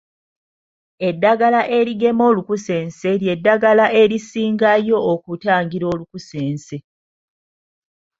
Eddagala erigema Olukusense ly'eddagala erisingayo okutangira olukusense